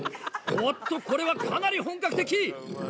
おっとこれはかなり本格的！